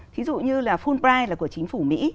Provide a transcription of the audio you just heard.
ví dụ như là fulbright là của chính phủ mỹ